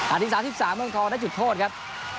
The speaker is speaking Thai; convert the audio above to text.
อาทิตย์๓๓เบื้องทองได้จุดโทษครับ